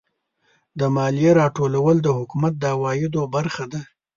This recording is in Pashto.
د مالیې راټولول د حکومت د عوایدو برخه ده.